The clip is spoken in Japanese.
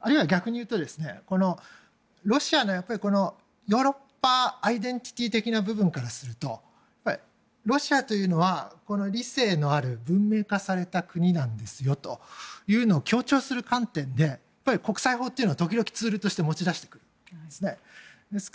あるいは逆に言うとロシアのヨーロッパアイデンティティー的な部分からするとロシアというのは理性のある文明化された国なんですよというのを強調する観点で国際法というのは時々ツールとして持ち出してくるんです。